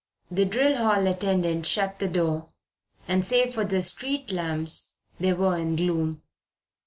The drill hall attendant shut the door, and save for the street lamps they were in gloom.